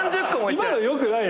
今のよくないよ。